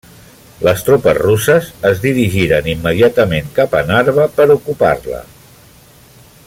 Les tropes russes es dirigiren immediatament cap a Narva per ocupar-la.